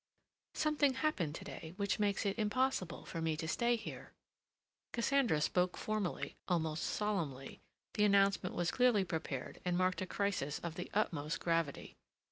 "Something happened to day which makes it impossible for me to stay here." Cassandra spoke formally, almost solemnly; the announcement was clearly prepared and marked a crisis of the utmost gravity.